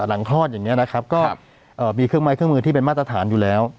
คลอดอย่างนี้นะครับก็มีเครื่องไม้เครื่องมือที่เป็นมาตรฐานอยู่แล้ว